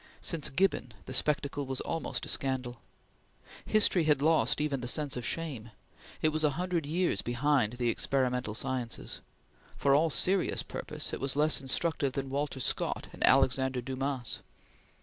Since Gibbon, the spectacle was almost a scandal. History had lost even the sense of shame. It was a hundred years behind the experimental sciences. For all serious purpose, it was less instructive than Walter Scott and Alexandre Dumas.